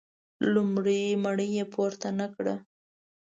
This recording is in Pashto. لومړۍ مړۍ یې پورته نه کړه.